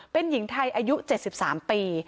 เป็นหญิงไทยอายุ๗๓ปี